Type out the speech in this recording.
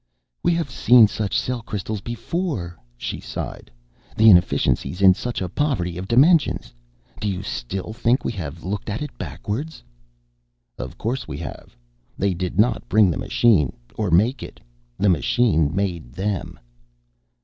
"We have seen such cell crystals before," she sighed. "The inefficiencies in such a poverty of dimensions! Do you still think we have looked at it backwards?" "Of course we have. They did not bring the machine or make it the machine made them!"